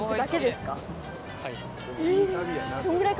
はい。